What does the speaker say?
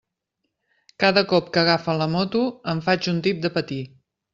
Cada cop que agafa la moto em faig un tip de patir.